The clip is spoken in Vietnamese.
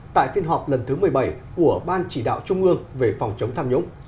tại phiên họp lần thứ một mươi bảy của ban chỉ đạo trung ương về phòng chống tham nhũng